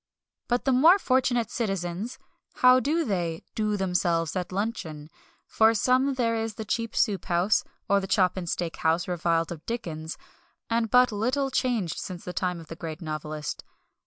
But the more fortunate citizens how do they "do themselves" at luncheon? For some there is the cheap soup house, or the chop and steak house reviled of Dickens, and but little changed since the time of the great novelist.